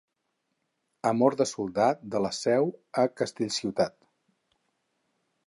Amor de soldat, de la Seu a Castellciutat.